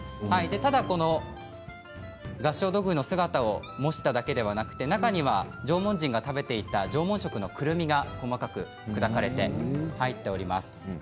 ただ合掌土偶の姿を模しただけではなく中には縄文人が食べていた縄文食のくるみが細かく砕かれて入っております。